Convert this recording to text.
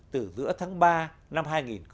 từ giữa tháng ba năm hai nghìn một mươi sáu